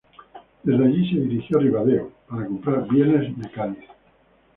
Desde allí se dirigió a Ribadeo para comprar bienes de Cádiz.